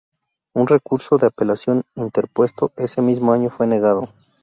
Un recurso de apelación interpuesto ese mismo año fue negado.